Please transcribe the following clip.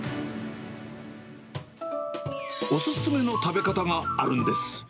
お勧めの食べ方があるんです。